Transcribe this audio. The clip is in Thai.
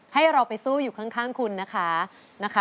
ให้เราไปสู้อยู่ข้างคุณนะคะ